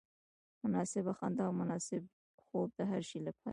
مناسبه خندا او مناسب خوب د هر شي لپاره.